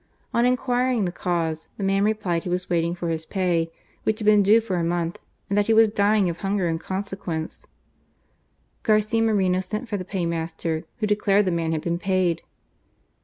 On inquiring the cause, the man replied he was waiting for his pay, which had been due for a month, and that he was dying of hunger in consequence, Garcia Moreno sent for the paymaster, who declared the man had been paid.